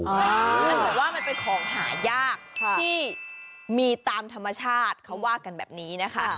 มันบอกว่ามันเป็นของหายากที่มีตามธรรมชาติเขาว่ากันแบบนี้นะคะ